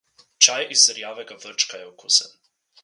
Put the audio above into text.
Čaj iz rjavega vrčka je okusen.